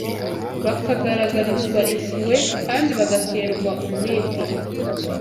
bakagaragarizwa impuhwe kandi bagaterwa umwete